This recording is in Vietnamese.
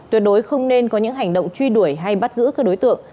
tuyệt đối không nên có những hành động truy đuổi hay bắt giữ các đối tượng